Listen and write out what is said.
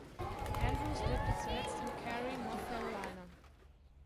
Andrews lebte zuletzt in Cary, North Carolina.